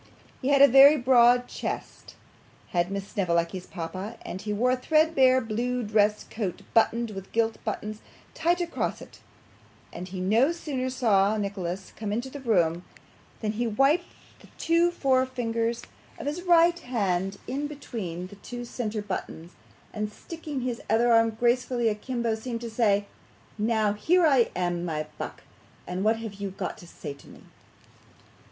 He had a very broad chest had Miss Snevellicci's papa, and he wore a threadbare blue dress coat buttoned with gilt buttons tight across it; and he no sooner saw Nicholas come into the room, than he whipped the two forefingers of his right hand in between the two centre buttons, and sticking his other arm gracefully a kimbo seemed to say, 'Now, here I am, my buck, and what have you got to say to me?